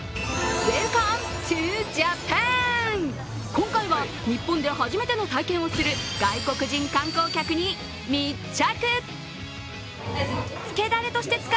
今回は日本で初めての体験をする外国人観光客に密着。